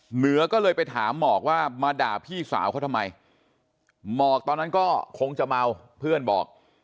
เหนือก็เลยไปถามหมอกว่ามาด่าพี่สาวเขาทำไมหมอกตอนนั้นก็คงจะเมาเพื่อนบอก